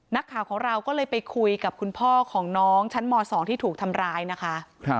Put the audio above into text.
นักข่าวของเราก็เลยไปคุยกับคุณพ่อของน้องชั้นม๒ที่ถูกทำร้ายนะคะ